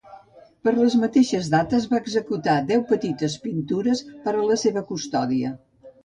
Per les mateixes dates va executar deu petites pintures per a la seva custòdia.